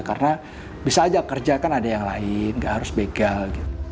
karena bisa aja kerja kan ada yang lain nggak harus begal